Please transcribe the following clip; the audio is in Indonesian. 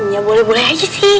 ya boleh boleh aja sih